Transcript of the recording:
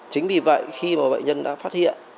chính vì vậy khi mà bệnh nhân đã phát hiện